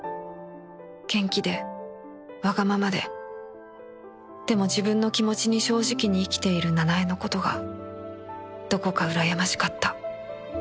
元気でわがままででも自分の気持ちに正直に生きている奈々江の事がどこかうらやましかった